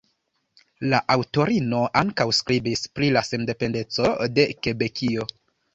La aŭtorino ankaŭ skribis pri la sendependeco de Kebekio.